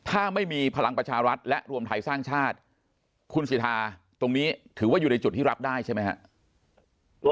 ถ้าไม่มีพลังประชารัฐและรวมไทยสร้างชาติคุณสิทธาตรงนี้ถือว่าอยู่ในจุดที่รับได้ใช่ไหมครับ